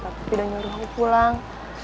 tapi tidak nyuruh aku pulang